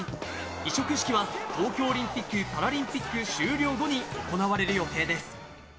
委嘱式は東京オリンピック・パラリンピック終了後に行われる予定です。